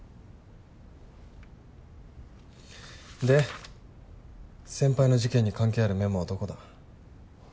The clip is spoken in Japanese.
で先輩の事件に関係あるメモはどこだ？